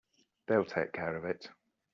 They'll take care of it.